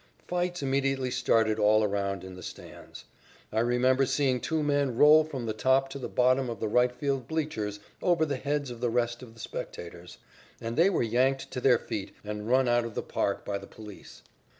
Fights immediately started all around in the stands. I remember seeing two men roll from the top to the bottom of the right field bleachers, over the heads of the rest of the spectators. And they were yanked to their feet and run out of the park by the police.